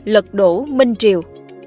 lật đổ minh triều